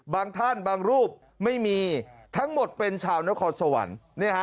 ท่านบางรูปไม่มีทั้งหมดเป็นชาวนครสวรรค์